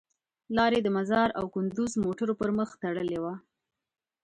لار یې د مزار او کندوز موټرو پر مخ تړلې وه.